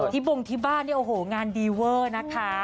บงที่บ้านเนี่ยโอ้โหงานดีเวอร์นะคะ